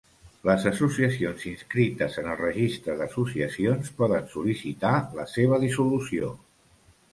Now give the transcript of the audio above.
Les associacions inscrites en el Registre d'associacions poden sol·licitar la seva dissolució.